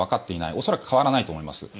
恐らく変わらないと思います。